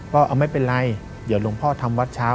ว่าไม่เป็นไรเดี๋ยวหลวงพ่อทำวัดเช้า